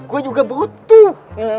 gue juga butuh